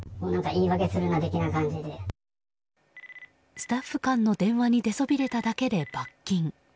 スタッフ間の電話に出そびれただけで罰金。